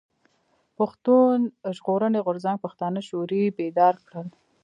پښتون ژغورني غورځنګ پښتانه شعوري بيدار کړل.